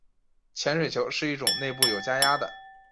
潜水球是一种内部有加压的。